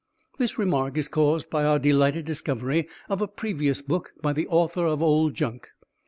This remark is caused by our delighted discovery of a previous book by the author of "Old Junk."